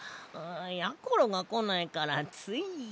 やころがこないからつい。